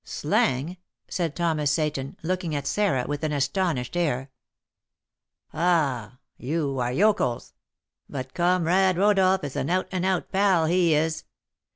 "Slang?" said Thomas Seyton, looking at Sarah with an astonished air. "Ah! you are yokels; but comrade Rodolph is an out and out pal, he is.